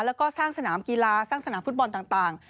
แล้วก็สร้างสนามกีฬาสร้างสนามฟุตบอลต่าง